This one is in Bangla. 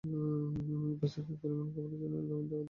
বাচ্চারা, এই পরিমান খাবারের জন্যে ধন্যবাদ দিতে চাই।